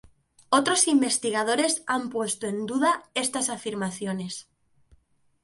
Otros investigadores han puesto en duda estas afirmaciones.